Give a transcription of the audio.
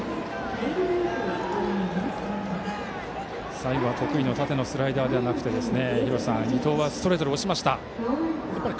最後は得意の縦のスライダーではなくて伊藤はストレートで押しました。